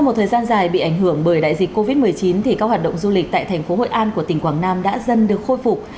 trong thời gian dài bị ảnh hưởng bởi đại dịch covid một mươi chín thì các hoạt động du lịch tại thành phố hội an của tỉnh quảng nam đã dần được khôi phục